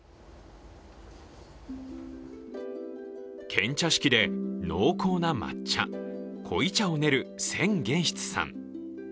献茶式で濃厚な抹茶、濃茶を練る千玄室さん。